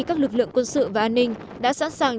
các lực lượng quân sự và an ninh đã sẵn sàng